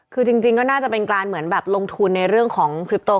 คือจริงก็น่าจะเป็นการเหมือนแบบลงทุนในเรื่องของคลิปโต